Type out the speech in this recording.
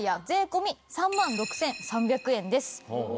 税込３万６３００円です。